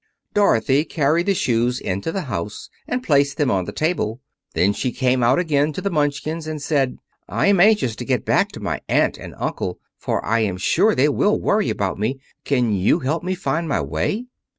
Dorothy carried the shoes into the house and placed them on the table. Then she came out again to the Munchkins and said: "I am anxious to get back to my aunt and uncle, for I am sure they will worry about me. Can you help me find my way?"